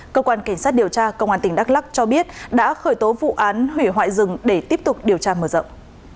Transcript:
cơ quan cảnh sát điều tra công an tỉnh đắk lắc cho biết đã khởi tố vụ án hủy hoại rừng để tiếp tục điều tra mở rộng